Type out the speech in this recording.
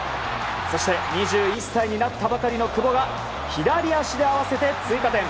そして、２１歳になったばかりの久保が左足で合わせて追加点。